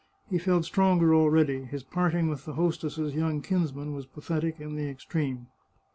He felt stronger already ; his parting with the host esses' young kinsmen was pathetic in the extreme.